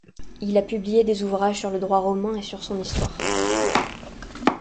Il a publié des ouvrages sur le droit romain et sur son histoire.